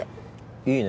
いいね。